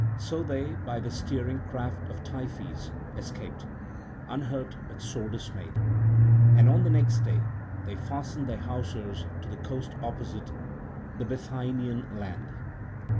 So they by the steering craft of Tiphys escaped, unhurt but sore dismayed. And on the next day they fastened the hawsers to the coast opposite the Bithynian land.